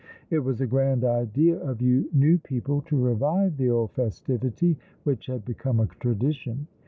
It was a grand idea of you new people to revive the old festivity, which had become a tradition.